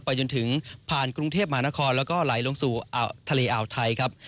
จนถึงผ่านกรุงเทพมหานครแล้วก็ไหลลงสู่ทะเลอ่าวไทยครับ